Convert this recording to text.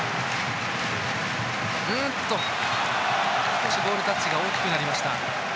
少しボールタッチが大きくなりました。